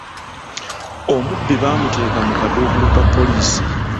Omubbi baamuteeka mu kaduukulu ka poliisi.